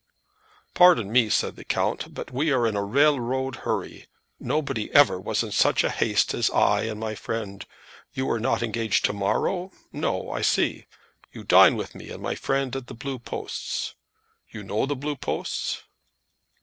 "Pardon me," said the count, "but we are in railroad hurry. Nobody ever was in such a haste as I and my friend. You are not engaged to morrow? No, I see. You dine with me and my friend at the Blue Posts. You know the Blue Posts?"